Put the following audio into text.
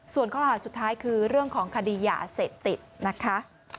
ส่วนข้อหาสุดท้ายคือเรื่องของคดียาเสพติดนะคะ